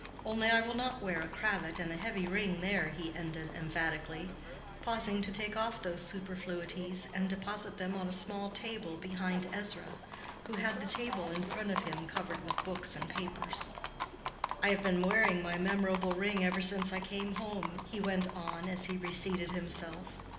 Only I will not wear a cravat and a heavy ring there," he ended emphatically, pausing to take off those superfluities and deposit them on a small table behind Ezra, who had the table in front of him covered with books and papers. "I have been wearing my memorable ring ever since I came home," he went on, as he reseated himself.